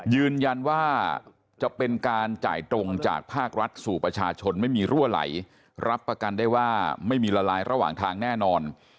ยืนยันว่าจะเป็นการจ่ายตรงจากภาครัฐสู่ประชาชนไม่มีรั่วไหลรับประกันได้ว่าไม่มีละลายระหว่างทางแน่นอน